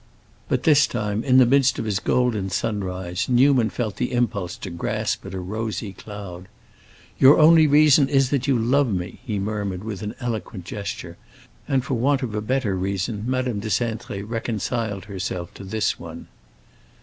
But this time, in the midst of his golden sunrise, Newman felt the impulse to grasp at a rosy cloud. "Your only reason is that you love me!" he murmured with an eloquent gesture, and for want of a better reason Madame de Cintré reconciled herself to this one.